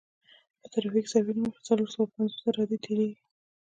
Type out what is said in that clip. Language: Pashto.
د ترافیکي سروې له مخې څلور سوه پنځوس عرادې تیریږي